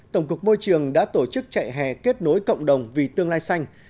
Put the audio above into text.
tổng cục môi trường đã tổ chức chạy hè kết nối cộng đồng vì tương lai xanh